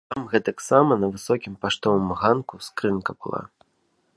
Там гэтаксама на высокім паштовым ганку скрынка была.